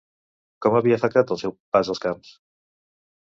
Com havia afectat el seu pas als camps?